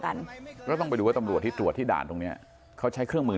กันก็ต้องไปดูว่าตำรวจที่ตรวจที่ด่านตรงเนี้ยเขาใช้เครื่องมือ